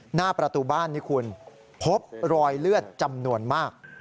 หน้าประตูบ้านนี่คุณพบรอยเลือดจำนวนมาก